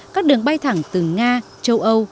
các đường bay thẳng từ nga châu âu